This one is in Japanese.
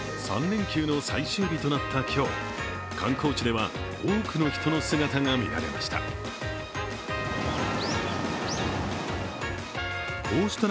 ３連休の最終日となった今日、観光地では多くの人の姿が見られました。